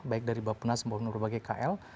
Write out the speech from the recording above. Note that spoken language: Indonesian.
baik dari bapnas baik dari berbagai kl